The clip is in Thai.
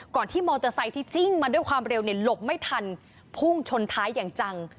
ก่อนที่มอเตอร์ไซต์ที่ซิ่งมาด้วยความเร็วหลบไม่ทันพชนท้ายอย่างจัง